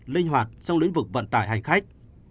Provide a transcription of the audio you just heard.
linh hoạt trong lĩnh vực vận tải hành khách